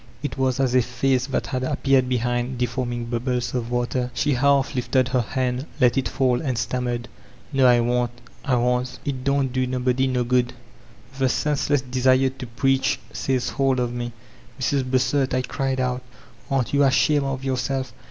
It was as a face that had appeared bdiind deforming bubbles of water. She 444 VOLTAISINE DE ClBYIE half lifted her hand, let it fall, and stammered, ''No^ I won't, I won't It don't do nobody no good" The senseless desire to preach seized hold of me. ''Mrs. Bossert," I cried out, ''aren't yon ashamed of yourself?